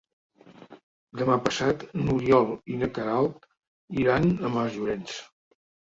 Demà passat n'Oriol i na Queralt iran a Masllorenç.